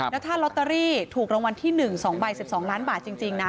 แล้วถ้าลอตเตอรี่ถูกรางวัลที่๑๒ใบ๑๒ล้านบาทจริงนะ